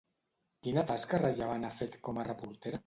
Quina tasca rellevant ha fet com a reportera?